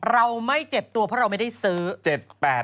เราไม่เจ็บตัวเพราะเราไม่ได้ซื้อ